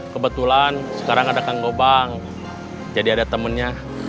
kebetulan sekarang ada kang gobang jadi ada temennya